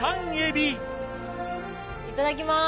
いただきます。